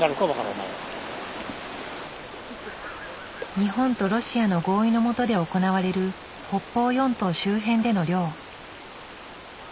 日本とロシアの合意のもとで行われる北方四島周辺での漁。